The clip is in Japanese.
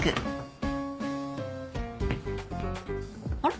あれ？